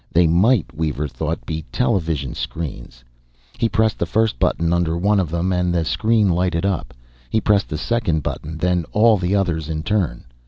They might, Weaver thought, be television screens. He pressed the first button under one of them, and the screen lighted up. He pressed the second button, then all the others in turn.